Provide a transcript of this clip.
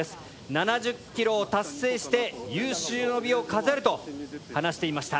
「７０ｋｍを達成して有終の美を飾る」と話していました。